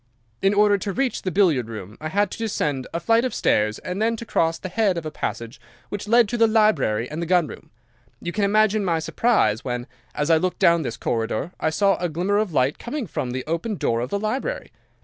"'In order to reach the billiard room I had to descend a flight of stairs and then to cross the head of a passage which led to the library and the gun room. You can imagine my surprise when, as I looked down this corridor, I saw a glimmer of light coming from the open door of the library.